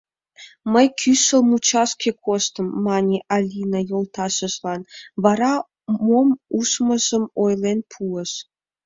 Мый кӱшыл мучашке коштым, — мане Алина йолташыжлан, вара мом ужмыжым ойлен пуыш.